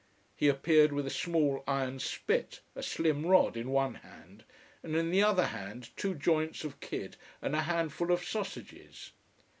He appeared with a small iron spit, a slim rod, in one hand, and in the other hand two joints of kid and a handful of sausages.